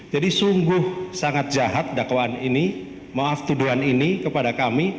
sungguh sangat jahat dakwaan ini maaf tuduhan ini kepada kami